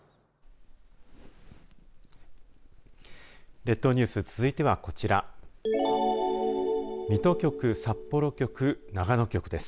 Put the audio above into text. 列島ニュース、続いてはこちら水戸局、札幌局、長野局です。